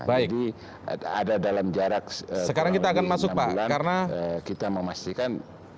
jadi ada dalam jarak selama enam bulan kita memastikan